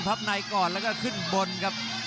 ทับในก่อนแล้วก็ขึ้นบนครับ